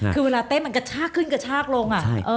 คือเวลาเต้นมันกระชากขึ้นกระชากลง